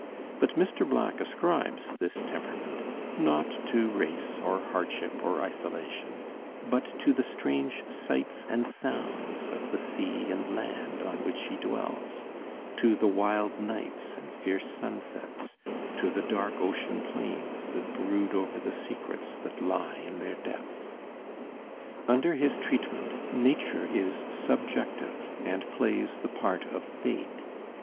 But Mr. Black ascribes this temperament, not to race or hardship or isolation, but to the strange sights and sounds of the sea and land on which he dwells, to the wild nights and fierce sunsets, to the dark ocean plains that brood over the secrets that lie in their depths. Under his treatment nature is subjective, and plays the part of fate.